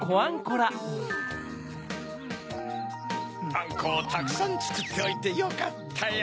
あんこをたくさんつくっておいてよかったよ。